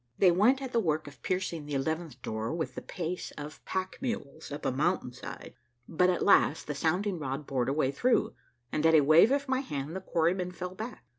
They went at the work of piercing the eleventh door with the pace of pack mules up a mountain side. But at last the sound ing rod bored a way through, and at a wave of my hand the quarrymen fell back.